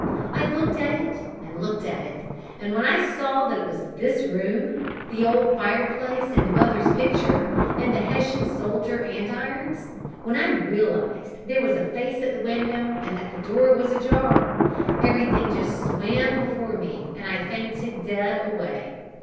I looked at it and looked at it, and when I saw that it was this room, the old fireplace and mother's picture, and the Hessian soldier andirons, when I realized there was a face at the window and that the door was ajar, everything just swam before me and I fainted dead away.